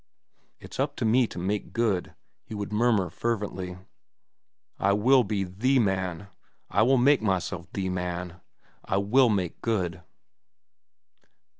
"It's up to me to make good," he would murmur fervently. "I will be the man. I will make myself the man. I will make good."